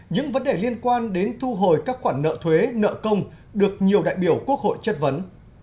những vấn đề liên quan đến thu hồi các khoản nợ thuế nợ công được nhiều đại biểu quốc hội chất vấn